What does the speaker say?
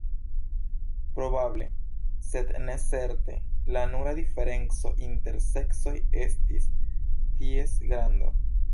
Probable, sed ne certe, la nura diferenco inter seksoj estis ties grando.